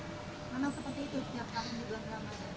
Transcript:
mana seperti itu setiap tahun di ramadan